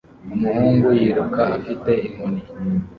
Umuhungu yiruka afite inkoni